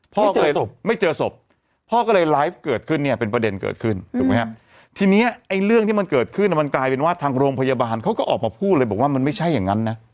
พ่อก็เลยไม่เจอศพพ่อก็เลยไลฟ์เกิดขึ้นเนี่ยเป็นประเด็นเกิดขึ้นถูกไหมฮะทีนี้ไอ้เรื่องที่มันเกิดขึ้นมันกลายเป็นว่าทางโรงพยาบาลเขาก็ออกมาพูดเลยบอกว่ามันไม่ใช่อย่างนั้นนะ